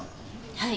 はい。